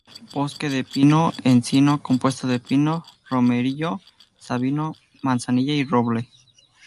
Bosque de pino, encino, compuesto de pino, romerillo, sabino, manzanilla y roble.